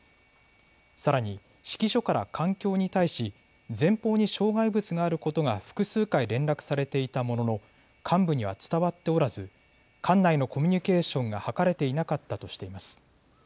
さらに指揮所から艦橋に対し前方に障害物があることが複数回連絡されていたものの幹部には伝わっておらず艦内のコミュニケーションが図れていなかったとしています。